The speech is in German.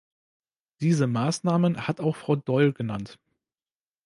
Diese Maßnahmen hat auch Frau Doyle genannt.